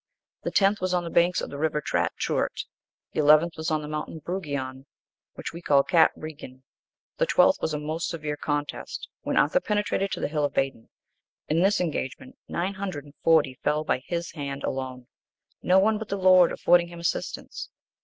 The tenth was on the banks of the river Trat Treuroit.(9) The eleventh was on the mountain Breguoin, which we call Cat Bregion.(10) The twelfth was a most severe contest, when Arthur penetrated to the hill of Badon.(11) In this engagement, nine hundred and forty fell by his hand alone, no one but the Lord affording him assistance.